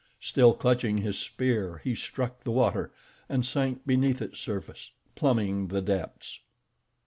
Still clutching his spear, he struck the water, and sank beneath its surface, plumbing the depths.